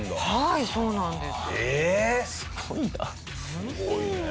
すごいね。